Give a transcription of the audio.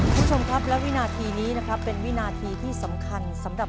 คุณผู้ชมครับและวินาทีนี้นะครับเป็นวินาทีที่สำคัญสำหรับ